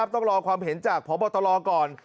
ต้องรอความเห็นจากพบตรก่อน